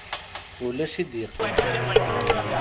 Ulac i d-yeqqimen.